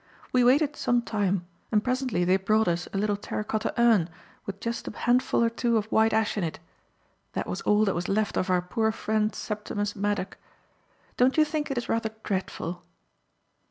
We waited some time and presently they brought us a little terra cotta urn with just a handful or two of white ash in it. That was all that was left of our poor friend Septimus Maddock. Don't you think it is rather dreadful?"